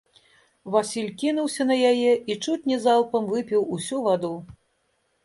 Васіль кінуўся на яе і чуць не залпам выпіў усю ваду.